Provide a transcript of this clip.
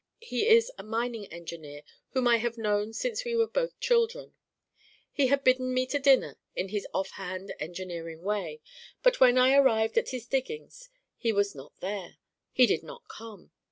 He is a mining engineer whom I have known since we were both children. He had bidden me to dinner in his off hand engineering way, but when I arrived at his diggings he was not there. He did not come.